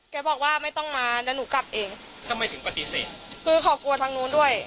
บอกว่าไม่ต้องมาแล้วหนูกลับเองทำไมถึงปฏิเสธคือเขากลัวทางนู้นด้วย